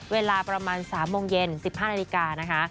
เวลาประมาณ๓โมงเย็น๑๕นาฬิกานะคะ